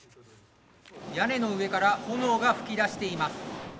屋根の上から炎が噴き出しています。